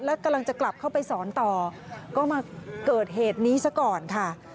แล้วกำลังจะกลับเข้าไปสอนต่อก็มาเกิดเหตุนี้ซะก่อนค่ะ